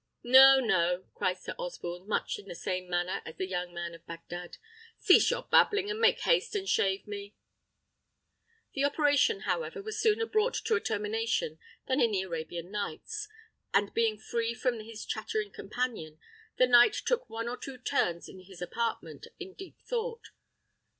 "No, no!" cried Sir Osborne, much in the same manner as the young man of Bagdad. "Cease your babbling, and make haste and shave me." The operation, however, was sooner brought to a termination than in the Arabian Nights; and being free from his chattering companion, the knight took one or two turns in his apartment in deep thought.